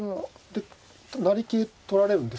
で成桂取られるんですけど。